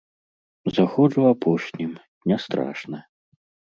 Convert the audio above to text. Заходжу апошнім, не страшна.